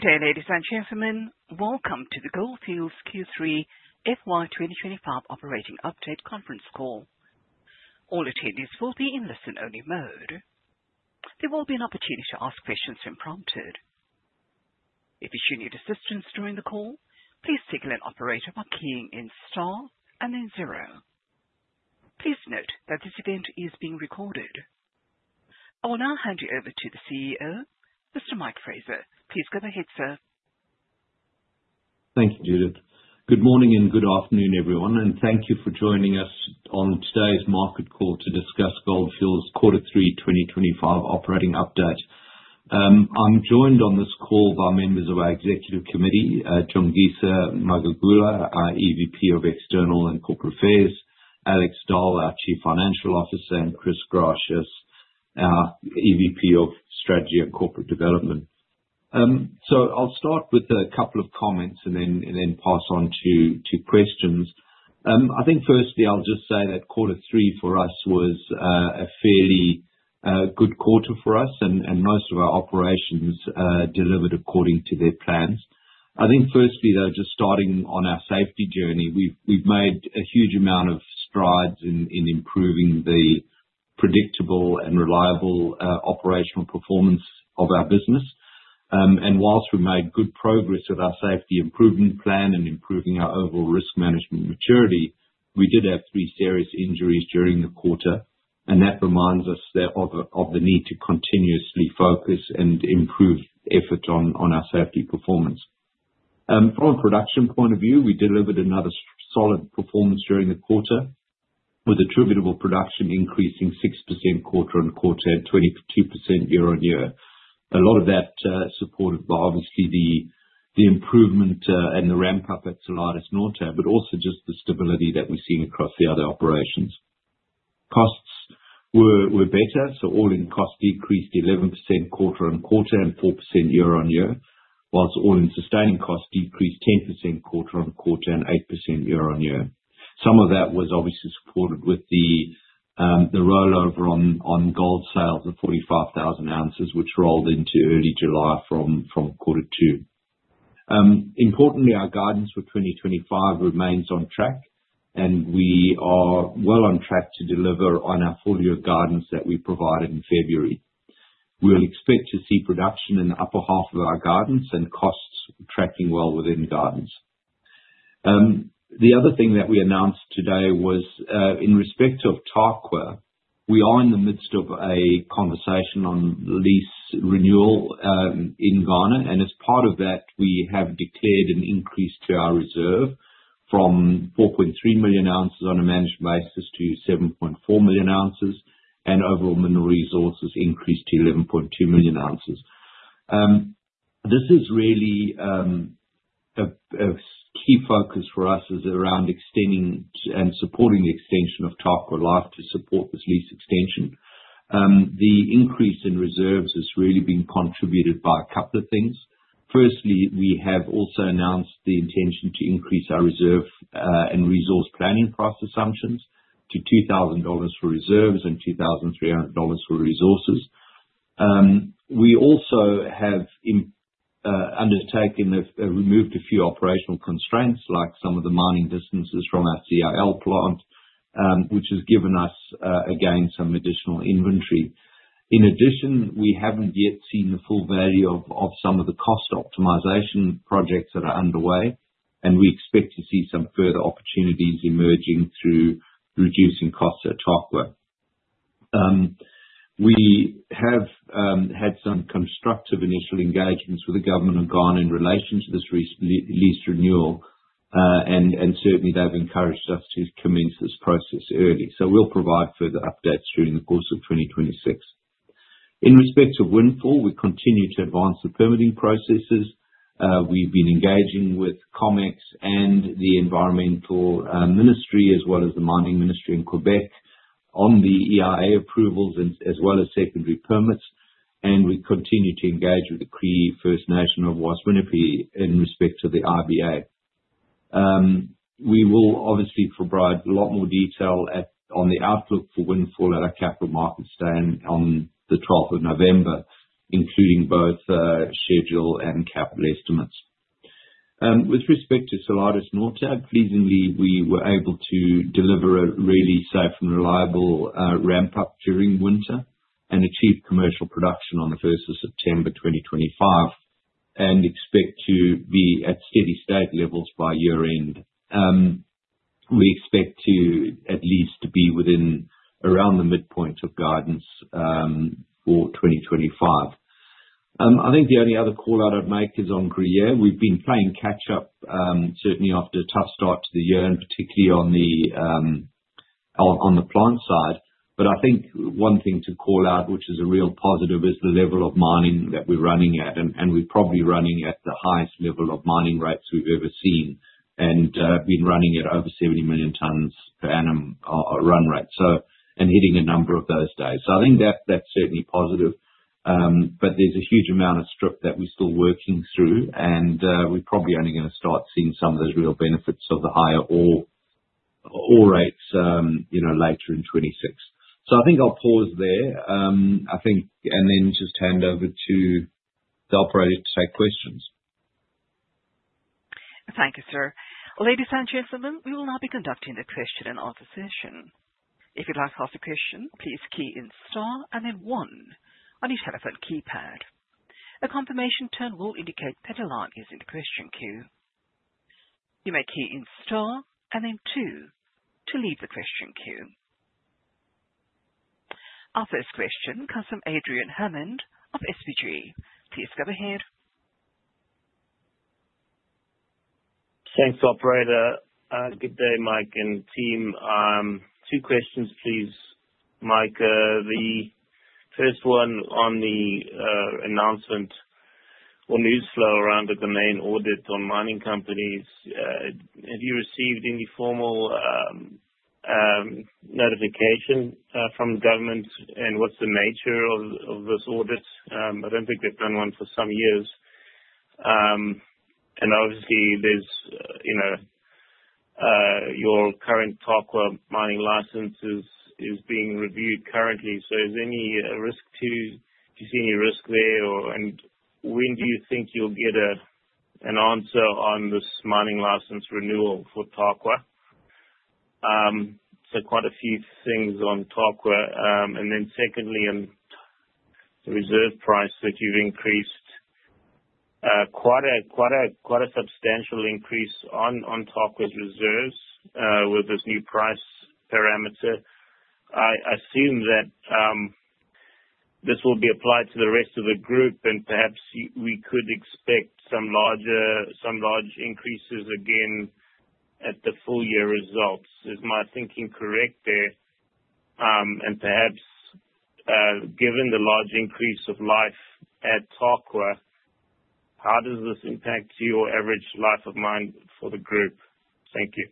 Good day, ladies and gentlemen. Welcome to the Gold Fields Q3 FY 2025 Operating Update conference call. All attendees will be in listen-only mode. There will be an opportunity to ask questions when prompted. If you should need assistance during the call, please signal an operator by keying in star and then zero. Please note that this event is being recorded. I will now hand you over to the CEO, Mr. Mike Fraser. Please go ahead, sir. Thank you, Judith. Good morning and good afternoon, everyone, and thank you for joining us on today's market call to discuss Gold Fields Quarter 3 2025 Operating Update. I'm joined on this call by members of our Executive Committee, Jan Geyser, Michael Guerra, our EVP of External and Corporate Affairs, Alex Dall, our Chief Financial Officer, and Chris Geere, our EVP of Strategy and Corporate Development. So I'll start with a couple of comments and then pass on to questions. I think firstly, I'll just say that Quarter 3 for us was a fairly good quarter for us, and most of our operations delivered according to their plans. I think firstly, though, just starting on our safety journey, we've made a huge amount of strides in improving the predictable and reliable operational performance of our business. While we made good progress with our safety improvement plan and improving our overall risk management maturity, we did have three serious injuries during the quarter, and that reminds us of the need to continuously focus and improve effort on our safety performance. From a production point of view, we delivered another solid performance during the quarter, with attributable production increasing 6% quarter on quarter and 22% year on year. A lot of that supported by, obviously, the improvement and the ramp-up at Salares Norte, but also just the stability that we've seen across the other operations. Costs were better, so all-in cost decreased 11% quarter on quarter and 4% year on year, while all-in sustaining costs decreased 10% quarter on quarter and 8% year on year. Some of that was, obviously, supported with the rollover on gold sales of 45,000 ounces, which rolled into early July from Quarter 2. Importantly, our guidance for 2025 remains on track, and we are well on track to deliver on our full-year guidance that we provided in February. We'll expect to see production in the upper half of our guidance and costs tracking well within guidance. The other thing that we announced today was, in respect of Tarkwa, we are in the midst of a conversation on lease renewal in Ghana, and as part of that, we have declared an increase to our reserve from 4.3 million ounces on a management basis to 7.4 million ounces, and overall mineral resources increased to 11.2 million ounces. This is really a key focus for us, is around extending and supporting the extension of Tarkwa life to support this lease extension. The increase in reserves has really been contributed by a couple of things. Firstly, we have also announced the intention to increase our reserve and resource planning price assumptions to $2,000 for reserves and $2,300 for resources. We also have undertaken or removed a few operational constraints, like some of the mining distances from our CIL plant, which has given us, again, some additional inventory. In addition, we haven't yet seen the full value of some of the cost optimization projects that are underway, and we expect to see some further opportunities emerging through reducing costs at Tarkwa. We have had some constructive initial engagements with the government of Ghana in relation to this lease renewal, and certainly, they've encouraged us to commence this process early. So we'll provide further updates during the course of 2026. In respect to Windfall, we continue to advance the permitting processes. We've been engaging with Comex and the Environmental Ministry, as well as the Mining Ministry in Quebec, on the EIA approvals as well as secondary permits, and we continue to engage with the Cree First Nation of Waswanipi in respect to the IBA. We will, obviously, provide a lot more detail on the outlook for Windfall at our capital markets day on the 12th of November, including both schedule and capital estimates. With respect to Salares Norte, pleasingly, we were able to deliver a really safe and reliable ramp-up during winter and achieve commercial production on the 1st of September 2025 and expect to be at steady state levels by year-end. We expect to at least be within around the midpoint of guidance for 2025. I think the only other callout I'd make is on Gruyère. We've been playing catch-up, certainly after a tough start to the year, and particularly on the plant side. But I think one thing to call out, which is a real positive, is the level of mining that we're running at, and we're probably running at the highest level of mining rates we've ever seen and been running at over 70 million tons per annum run rate and hitting a number of those days. So I think that's certainly positive, but there's a huge amount of strip that we're still working through, and we're probably only going to start seeing some of those real benefits of the higher ore rates later in 2026. So I think I'll pause there, I think, and then just hand over to the operator to take questions. Thank you, sir. Ladies and gentlemen, we will now be conducting the question-and-answer session. If you'd like to ask a question, please key in star and then one on your telephone keypad. A confirmation tone will indicate that a line is in the question queue. You may key in star and then two to leave the question queue. Our first question comes from Adrian Hammond of SBG Securities. Please go ahead. Thanks, operator. Good day, Mike and team. Two questions, please, Mike. The first one on the announcement or news flow around the domain audit on mining companies. Have you received any formal notification from the government, and what's the nature of this audit? I don't think they've done one for some years. And obviously, your current Tarkwa mining license is being reviewed currently. So is there any risk? Do you see any risk there? And when do you think you'll get an answer on this mining license renewal for Tarkwa? So quite a few things on Tarkwa. And then secondly, on the reserve price that you've increased, quite a substantial increase on Tarkwa's reserves with this new price parameter. I assume that this will be applied to the rest of the group, and perhaps we could expect some large increases again at the full-year results. Is my thinking correct there? And perhaps, given the large increase in life of mine at Tarkwa, how does this impact your average life of mine for the group? Thank you.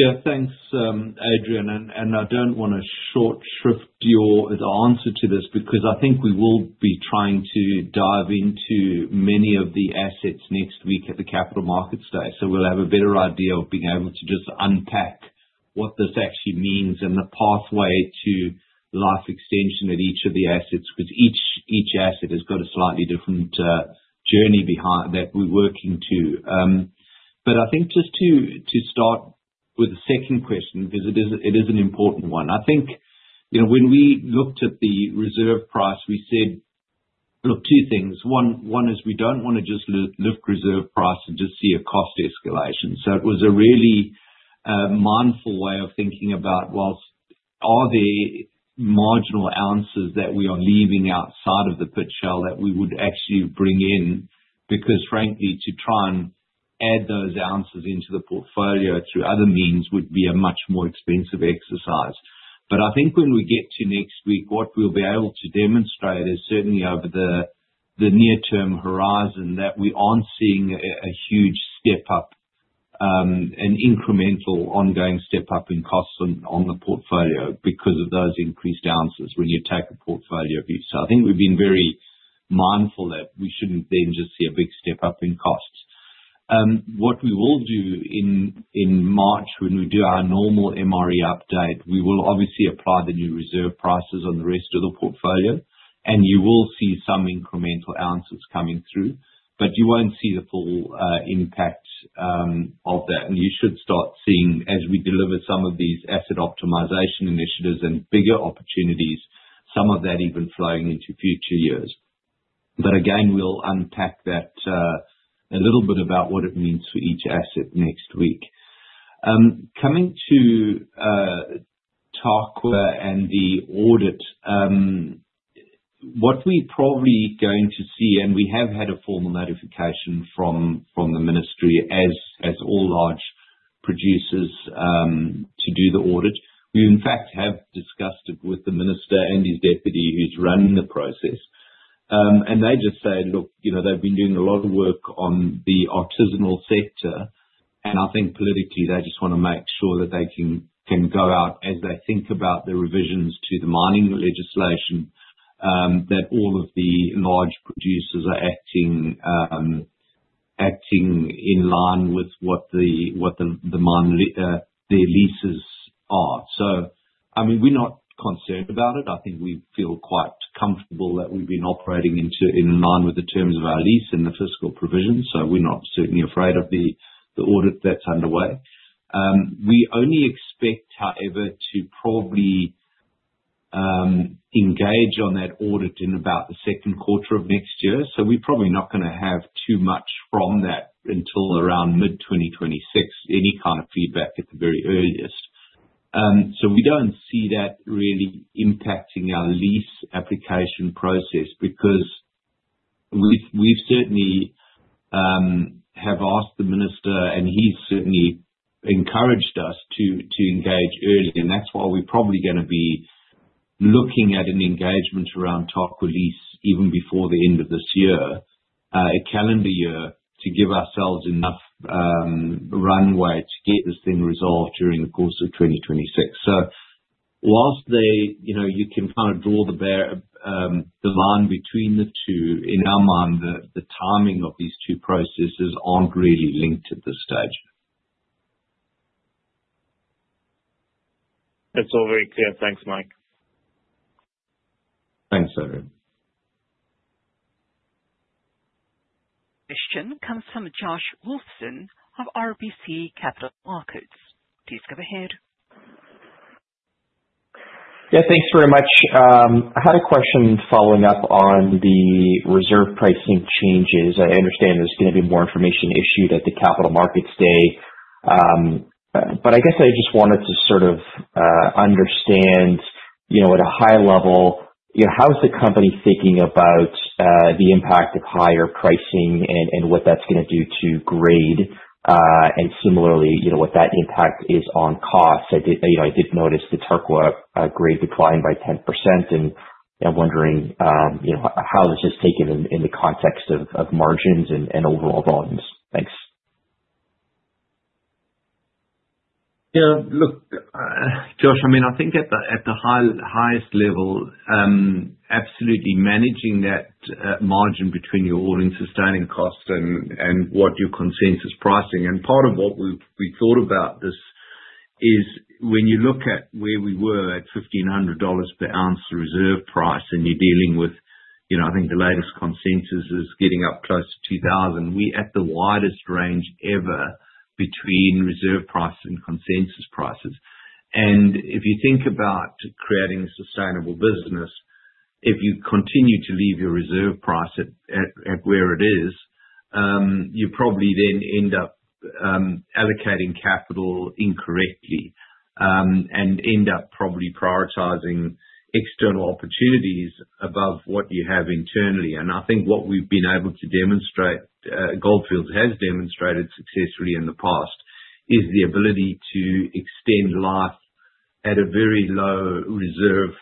Yeah, thanks, Adrian. And I don't want to short shrift your answer to this because I think we will be trying to dive into many of the assets next week at the capital markets day. So we'll have a better idea of being able to just unpack what this actually means and the pathway to life extension at each of the assets because each asset has got a slightly different journey that we're working to. But I think just to start with the second question because it is an important one, I think when we looked at the reserve price, we said, "Look, two things." One is we don't want to just lift reserve price and just see a cost escalation. So it was a really mindful way of thinking about, well, are there marginal ounces that we are leaving outside of the pit shell that we would actually bring in? Because frankly, to try and add those ounces into the portfolio through other means would be a much more expensive exercise. But I think when we get to next week, what we'll be able to demonstrate is certainly over the near-term horizon that we aren't seeing a huge step up, an incremental ongoing step up in costs on the portfolio because of those increased ounces when you take a portfolio view. So I think we've been very mindful that we shouldn't then just see a big step up in costs. What we will do in March, when we do our normal MRE update, we will obviously apply the new reserve prices on the rest of the portfolio, and you will see some incremental ounces coming through, but you won't see the full impact of that. You should start seeing, as we deliver some of these asset optimization initiatives and bigger opportunities, some of that even flowing into future years. But again, we'll unpack that a little bit about what it means for each asset next week. Coming to Tarkwa and the audit, what we're probably going to see, and we have had a formal notification from the Ministry as all large producers to do the audit. We, in fact, have discussed it with the Minister and his deputy who's running the process, and they just say, "Look, they've been doing a lot of work on the artisanal sector," and I think politically, they just want to make sure that they can go out as they think about the revisions to the mining legislation that all of the large producers are acting in line with what their leases are. So, I mean, we're not concerned about it. I think we feel quite comfortable that we've been operating in line with the terms of our lease and the fiscal provisions, so we're not certainly afraid of the audit that's underway. We only expect, however, to probably engage on that audit in about the second quarter of next year. So we're probably not going to have too much from that until around mid-2026, any kind of feedback at the very earliest. So we don't see that really impacting our lease application process because we certainly have asked the Minister, and he's certainly encouraged us to engage early, and that's why we're probably going to be looking at an engagement around Tarkwa lease even before the end of this year, a calendar year to give ourselves enough runway to get this thing resolved during the course of 2026. So whilst you can kind of draw the line between the two, in our mind, the timing of these two processes aren't really linked at this stage. That's all very clear. Thanks, Mike. Thanks, Adrian. Question comes from Josh Wolfson of RBC Capital Markets. Please go ahead. Yeah, thanks very much. I had a question following up on the reserve pricing changes. I understand there's going to be more information issued at the capital markets day, but I guess I just wanted to sort of understand, at a high level, how's the company thinking about the impact of higher pricing and what that's going to do to grade, and similarly, what that impact is on costs. I did notice the Tarkwa grade declined by 10%, and I'm wondering how this is taken in the context of margins and overall volumes. Thanks. Yeah, look, Josh, I mean, I think at the highest level, absolutely managing that margin between your all-in sustaining costs and what your consensus pricing. And part of what we thought about this is when you look at where we were at $1,500 per ounce reserve price and you're dealing with, I think the latest consensus is getting up close to $2,000, we're at the widest range ever between reserve price and consensus prices. And if you think about creating a sustainable business, if you continue to leave your reserve price at where it is, you probably then end up allocating capital incorrectly and end up probably prioritizing external opportunities above what you have internally. And I think what we've been able to demonstrate, Gold Fields has demonstrated successfully in the past, is the ability to extend life at a very low reserve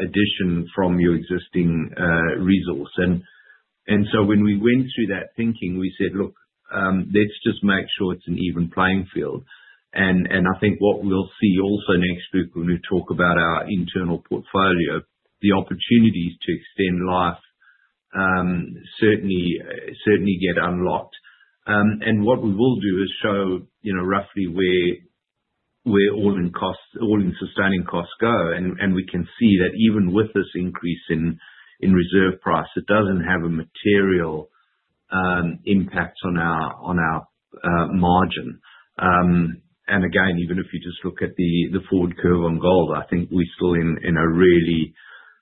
addition from your existing resource. And so when we went through that thinking, we said, "Look, let's just make sure it's an even playing field." And I think what we'll see also next week when we talk about our internal portfolio, the opportunities to extend life certainly get unlocked. And what we will do is show roughly where all-in sustaining costs go, and we can see that even with this increase in reserve size, it doesn't have a material impact on our margin. And again, even if you just look at the forward curve on gold, I think we're still in a really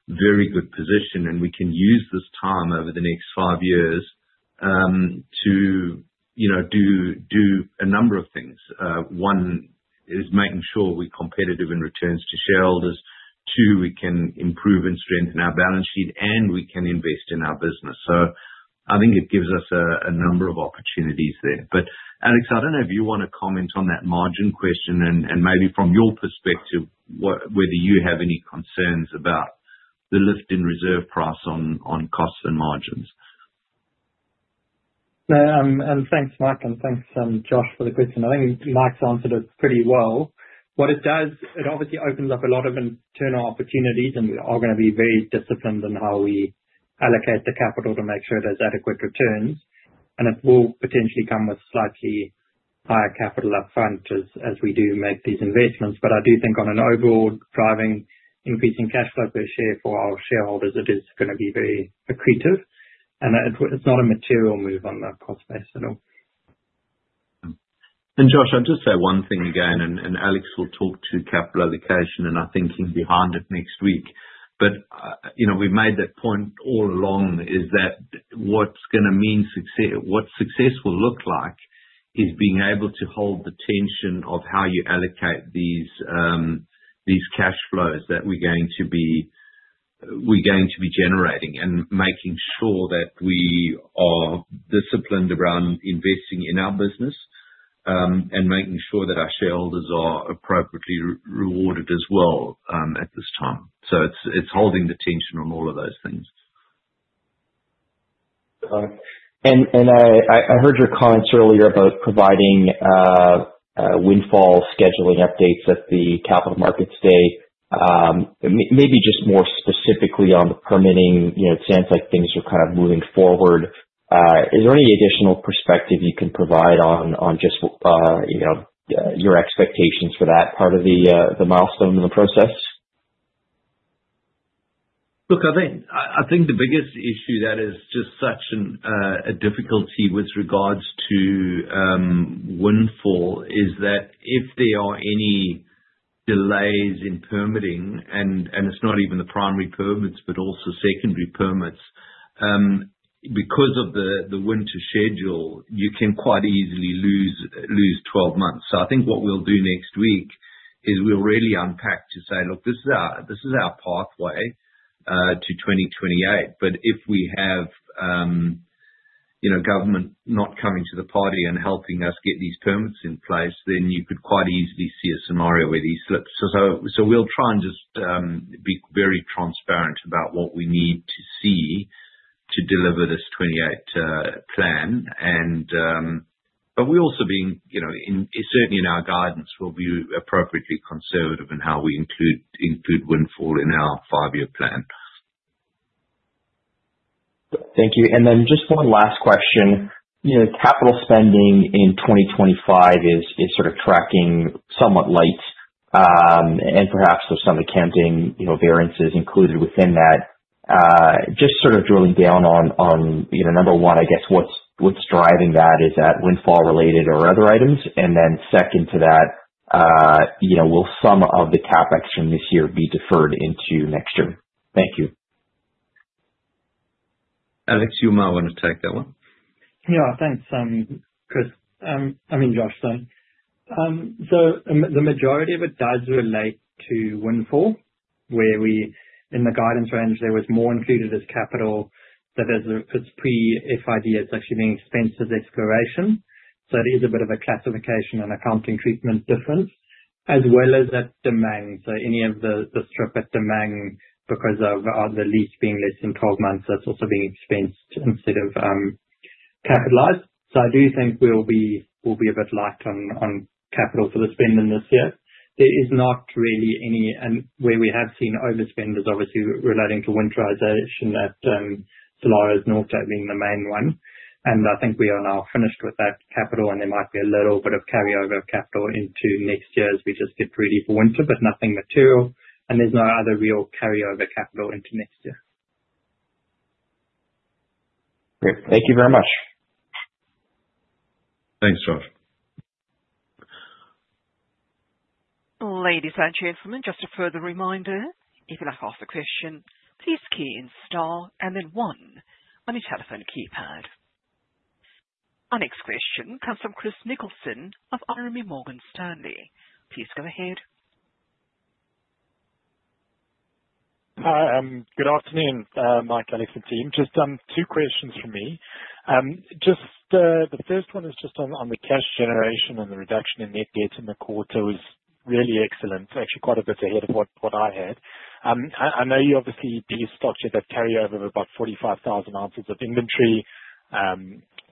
very good position, and we can use this time over the next five years to do a number of things. One is making sure we're competitive in returns to shareholders. Two, we can improve and strengthen our balance sheet, and we can invest in our business. So I think it gives us a number of opportunities there. But Alex, I don't know if you want to comment on that margin question and maybe from your perspective whether you have any concerns about the lift in reserve price on costs and margins? Thanks, Mike, and thanks, Josh, for the question. I think Mike's answered it pretty well. What it does, it obviously opens up a lot of internal opportunities, and we are going to be very disciplined in how we allocate the capital to make sure there's adequate returns. And it will potentially come with slightly higher capital upfront as we do make these investments. But I do think on an overall driving increasing cash flow per share for our shareholders, it is going to be very accretive. And it's not a material move on that cost basis at all. And Josh, I'll just say one thing again, and Alex will talk to capital allocation and our thinking behind it next week. But we've made that point all along is that what's going to mean success, what success will look like is being able to hold the tension of how you allocate these cash flows that we're going to be generating and making sure that we are disciplined around investing in our business and making sure that our shareholders are appropriately rewarded as well at this time. So it's holding the tension on all of those things. I heard your comments earlier about providing Windfall scheduling updates at the Capital Markets Day. Maybe just more specifically on the permitting, it sounds like things are kind of moving forward. Is there any additional perspective you can provide on just your expectations for that part of the milestone in the process? Look, I think the biggest issue that is just such a difficulty with regards to Windfall is that if there are any delays in permitting, and it's not even the primary permits, but also secondary permits, because of the winter schedule, you can quite easily lose 12 months. So I think what we'll do next week is we'll really unpack to say, "Look, this is our pathway to 2028." But if we have government not coming to the party and helping us get these permits in place, then you could quite easily see a scenario where these slips. So we'll try and just be very transparent about what we need to see to deliver this 2028 plan. But we're also being, certainly in our guidance, we'll be appropriately conservative in how we include Windfall in our five-year plan. Thank you. And then just one last question. Capital spending in 2025 is sort of tracking somewhat light, and perhaps there's some accounting variances included within that. Just sort of drilling down on number one, I guess what's driving that is that Windfall-related or other items? And then second to that, will some of the CapEx from this year be deferred into next year? Thank you. Alex, you might want to take that one. Yeah, thanks. Chris, I mean, Josh, sorry. The majority of it does relate to Windfall, where in the guidance range, there was more included as capital. There's pre-FID, it's actually being expensed as exploration. It is a bit of a classification and accounting treatment difference, as well as at Damang. Any of the strip at Damang because of the lease being less than 12 months, that's also being expensed instead of capitalized. I do think we'll be a bit light on capital for the spending this year. There is not really any where we have seen overspend is obviously relating to winterization at Salares Norte being the main one. I think we are now finished with that capital, and there might be a little bit of carryover capital into next year as we just get ready for winter, but nothing material. There's no other real carryover capital into next year. Great. Thank you very much. Thanks, Josh. Ladies and gentlemen, just a further reminder, if you'd like to ask a question, please key in STAR and then 1 on your telephone keypad. Our next question comes from Chris Nicholson of RMB Morgan Stanley. Please go ahead. Hi, good afternoon, Mike, Alex, and team. Just two questions from me. Just the first one is just on the cash generation and the reduction in net debt in the quarter was really excellent, actually quite a bit ahead of what I had. I know you obviously stocked your carryover of about 45,000 ounces of inventory.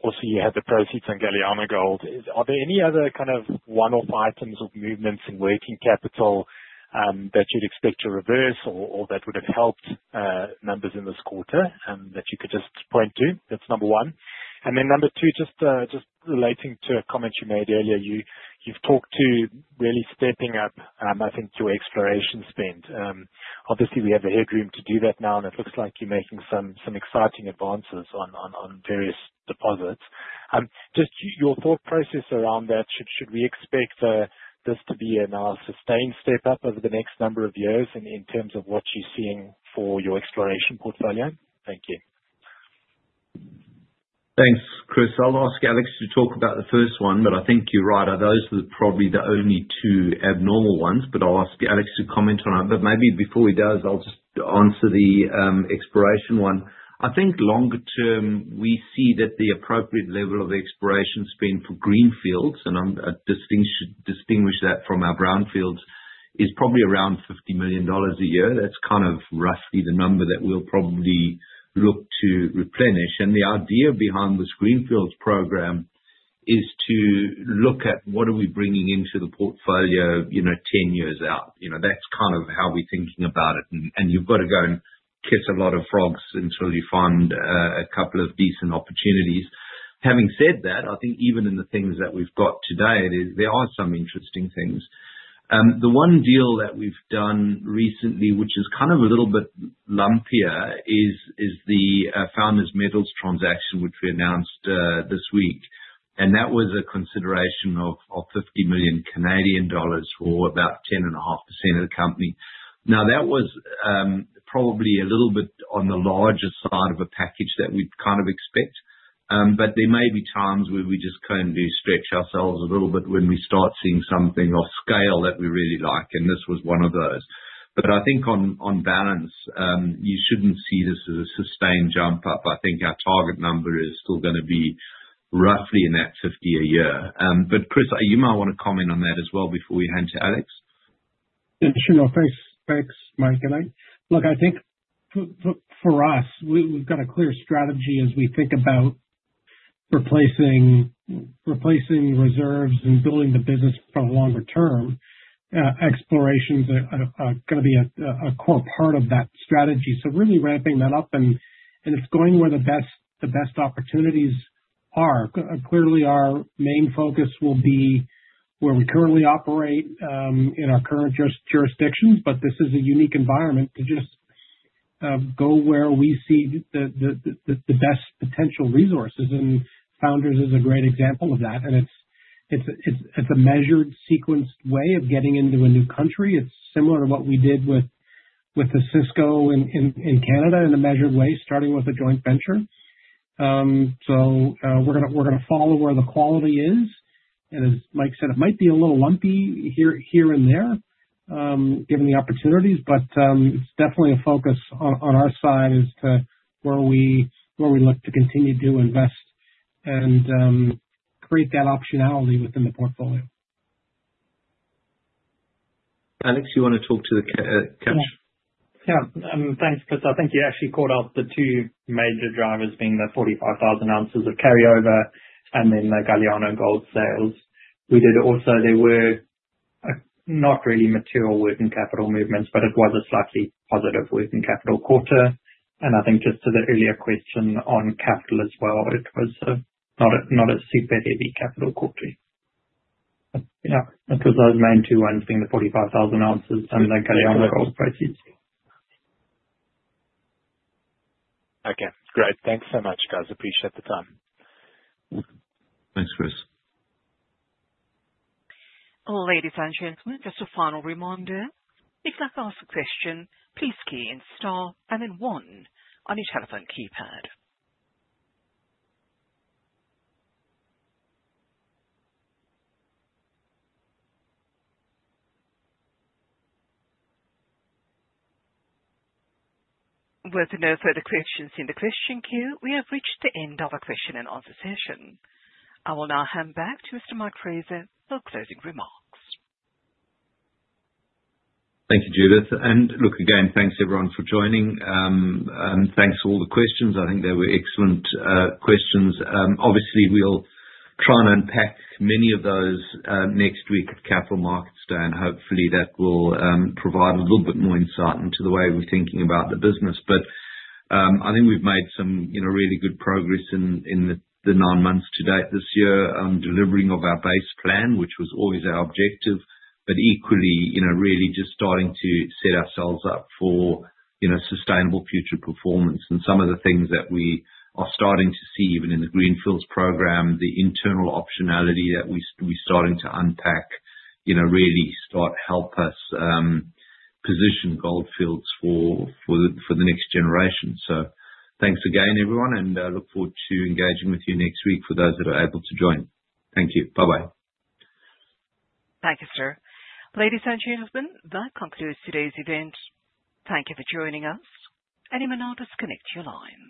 Also, you had the proceeds on Galiano Gold. Are there any other kind of one-off items of movements in working capital that you'd expect to reverse or that would have helped members in this quarter that you could just point to? That's number one. And then number two, just relating to a comment you made earlier, you've talked to really stepping up, I think, your exploration spend. Obviously, we have a headroom to do that now, and it looks like you're making some exciting advances on various deposits. Just your thought process around that, should we expect this to be a sustained step up over the next number of years in terms of what you're seeing for your exploration portfolio? Thank you. Thanks, Chris. I'll ask Alex to talk about the first one, but I think you're right. Those are probably the only two abnormal ones, but I'll ask Alex to comment on it, but maybe before he does, I'll just answer the exploration one. I think longer term, we see that the appropriate level of exploration spend for greenfields, and I'll distinguish that from our brownfields, is probably around $50 million a year. That's kind of roughly the number that we'll probably look to replenish, and the idea behind this greenfields program is to look at what are we bringing into the portfolio 10 years out. That's kind of how we're thinking about it, and you've got to go and kiss a lot of frogs until you find a couple of decent opportunities. Having said that, I think even in the things that we've got today, there are some interesting things. The one deal that we've done recently, which is kind of a little bit lumpier, is the Founders Metals transaction, which we announced this week, and that was a consideration of 50 million Canadian dollars for about 10.5% of the company. Now, that was probably a little bit on the larger side of a package that we'd kind of expect, but there may be times where we just kind of stretch ourselves a little bit when we start seeing something off scale that we really like, and this was one of those, but I think on balance, you shouldn't see this as a sustained jump up. I think our target number is still going to be roughly in that 50 a year. But Chris, you might want to comment on that as well before we hand to Alex. Sure. Thanks, Mike. Look, I think for us, we've got a clear strategy as we think about replacing reserves and building the business for the longer term. Exploration is going to be a core part of that strategy. So really ramping that up, and it's going where the best opportunities are. Clearly, our main focus will be where we currently operate in our current jurisdictions, but this is a unique environment to just go where we see the best potential resources. And Founders is a great example of that. And it's a measured, sequenced way of getting into a new country. It's similar to what we did with the Osisko in Canada in a measured way, starting with a joint venture. So we're going to follow where the quality is. As Mike said, it might be a little lumpy here and there given the opportunities, but it's definitely a focus on our side as to where we look to continue to invest and create that optionality within the portfolio. Alex, you want to talk to the cash? Yeah. Thanks, Chris. I think you actually caught out the two major drivers being the 45,000 ounces of carryover and then the Galiano Gold sales. We did. Also, there were not really material working capital movements, but it was a slightly positive working capital quarter, and I think just to the earlier question on capital as well, it was not a super heavy capital quarter. Yeah. It was those main two ones being the 45,000 ounces and the Galiano Gold proceeds. Okay. Great. Thanks so much, guys. Appreciate the time. Thanks, Chris. Ladies and gentlemen, just a final reminder. If you'd like to ask a question, please key in STAR and then 1 on your telephone keypad. With no further questions in the question queue, we have reached the end of our question and answer session. I will now hand back to Mr. Mike Fraser for closing remarks. Thank you, Judith. And look, again, thanks everyone for joining. Thanks for all the questions. I think they were excellent questions. Obviously, we'll try and unpack many of those next week at Capital Markets Day, and hopefully that will provide a little bit more insight into the way we're thinking about the business. But I think we've made some really good progress in the nine months to date this year on delivering of our base plan, which was always our objective, but equally really just starting to set ourselves up for sustainable future performance. And some of the things that we are starting to see even in the greenfields program, the internal optionality that we're starting to unpack really start help us position Gold Fields for the next generation. So thanks again, everyone, and look forward to engaging with you next week for those that are able to join. Thank you. Bye-bye. Thank you, sir. Ladies and gentlemen, that concludes today's event. Thank you for joining us, and you may now disconnect your line.